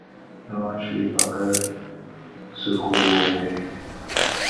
نواز شریف اگر سرخرو ہوتے ہیں۔